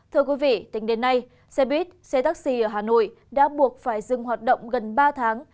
thưa quý vị tính đến nay xe buýt xe taxi ở hà nội đã buộc phải dừng hoạt động gần ba tháng